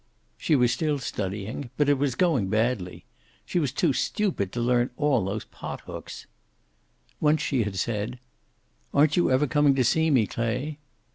She was still studying, but it was going badly. She was too stupid to learn all those pot hooks. Once she had said: "Aren't you ever coming to see me, Clay?"